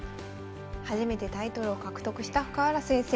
初めてタイトルを獲得した深浦先生。